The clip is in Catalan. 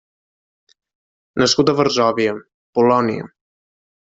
Nascut a Varsòvia, Polònia.